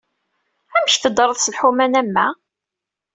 Amek teddreḍ s lḥuman am wa?